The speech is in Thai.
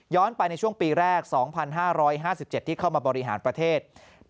ย้อนไปในช่วงปีแรกสองพันห้าร้อยห้าสิบเจ็ดที่เข้ามาบริหารประเทศ